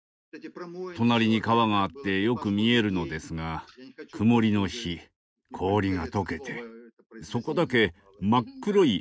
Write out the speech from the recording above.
隣に川があってよく見えるのですが曇りの日氷がとけてそこだけ真っ黒い穴に見えました。